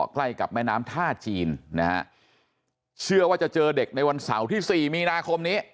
ใกล้กับแม่น้ำท่าจีนนะฮะเชื่อว่าจะเจอเด็กในวันเสาร์ที่สี่มีนาคมนี้